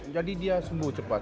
jadi dia sembuh cepat